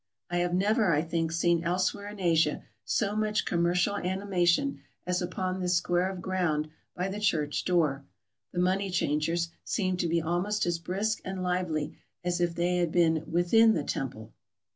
I have never, I think, seen elsewhere in Asia so much com mercial animation as upon this square of ground by the church door: the " money changers " seemed to be almost as brisk and lively as if they had been within the temple.